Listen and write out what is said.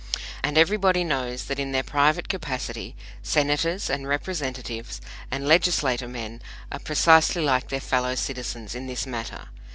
And everybody knows that, in their private capacity, Senators and Representatives and Legislaturemen are precisely like their fellow citizens in this matter.